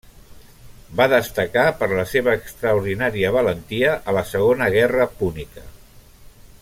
Va destacar per la seva extraordinària valentia a la Segona Guerra Púnica.